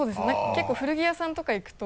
結構古着屋さんとか行くと。